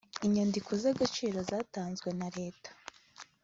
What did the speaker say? inyandiko z agaciro zatanzwe na leta